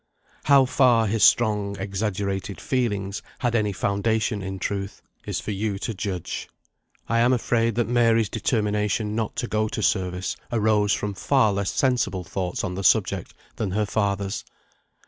How far his strong exaggerated feelings had any foundation in truth, it is for you to judge. I am afraid that Mary's determination not to go to service arose from far less sensible thoughts on the subject than her father's.